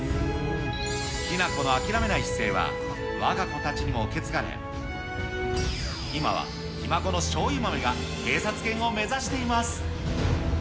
きな子の諦めない姿勢は、わが子たちにも受け継がれ、今はひ孫のしょうゆ豆が警察犬を目指しています。